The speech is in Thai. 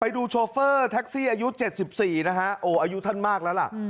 ดูโชเฟอร์แท็กซี่อายุ๗๔นะฮะโอ้อายุท่านมากแล้วล่ะ